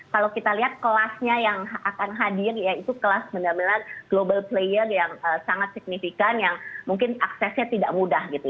kalau kita lihat kelasnya yang akan hadir ya itu kelas benar benar global player yang sangat signifikan yang mungkin aksesnya tidak mudah gitu